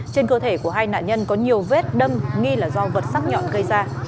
trên cơ thể của hai nạn nhân có nhiều vết đâm nghi là do vật sắc nhọn gây ra